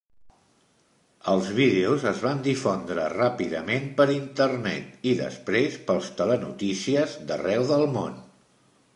Els vídeos es van difondre ràpidament per internet i després pels telenotícies d'arreu del món.